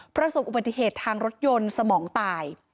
ผลสมบัติเหตุทางรถยนต์สมองตาย